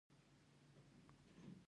افغانستان د سلیمان غر له پلوه متنوع دی.